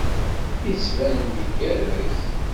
Yettban-d igerrez.